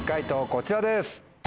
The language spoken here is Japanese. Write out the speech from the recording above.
こちらです。